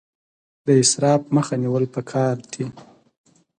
د اسراف مخه نیول پکار دي